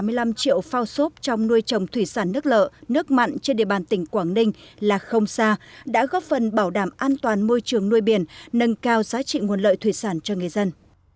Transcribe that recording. phao xốp thay thế hơn sáu tám mươi năm triệu phao xốp trong nuôi trồng thủy sản nước lợ nước mặn trên địa bàn tỉnh quảng ninh là không xa đã góp phần bảo đảm an toàn môi trường nuôi biển nâng cao giá trị nguồn lợi thủy sản cho người dân